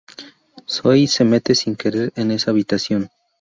Zoey se mete sin querer en esa habitación.